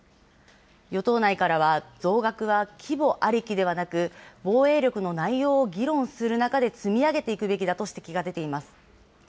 与党内からは、増額は規模ありきではなく、防衛力の内容を議論する中で積み上げていくべきだと指摘が出ています。